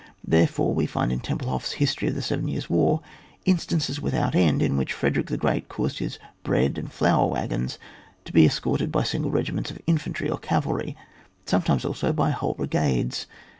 Therefore, we find, in Tempelhof *s History of the Seven Years' War, instances without end in which Frederick the Great caused his bread and flour waggons to be escorted by single regiments of infantry or ca valry, sometimes also by whole brigades.